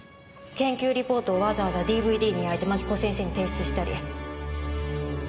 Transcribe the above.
研究リポートをわざわざＤＶＤに焼いて槙子先生に提出したり。